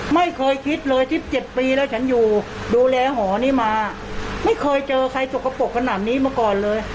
ไม่เคยคิดเลย๑๗ปีแล้วฉันอยู่ดูแลหอนี้มาไม่เคยเจอใครสกปรกขนาดนี้มาก่อนเลย